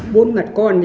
bốn mặt con